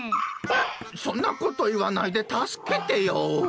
そんなこと言わないで助けてよ。